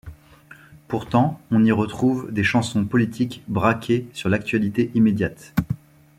Pourtant, on y retrouve des chansons politiques braquées sur l'actualité immédiate.